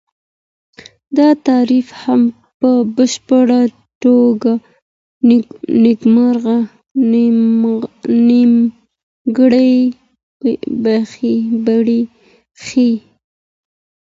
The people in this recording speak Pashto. دا تعریف هم په بشپړه توګه نیمګړی برېښي.